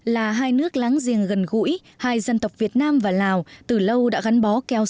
là hai nước láng giềng gần gũi hai dân tộc việt nam và lào từ lâu đã gắn bó keo